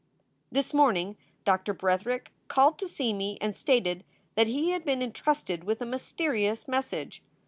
This morning Doctor Bretherick called to see me and stated that he had been intrusted with a mysterious message.